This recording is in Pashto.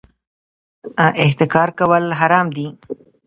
احتکار کول حرام دي